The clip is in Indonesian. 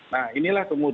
nah inilah kemudian